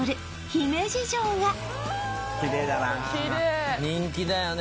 姫路城がキレイ人気だよね